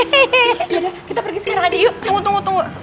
yaudah kita pergi sekarang aja yuk tunggu tunggu tunggu